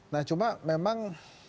nah cuma memang